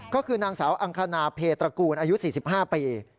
ก็คือนางสาวอังคณาเพตระกูลอายุ๔๕ปี